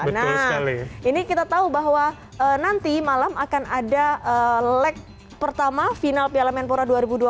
nah ini kita tahu bahwa nanti malam akan ada leg pertama final piala menpora dua ribu dua puluh